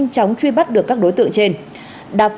không có sự quản lý của gia đình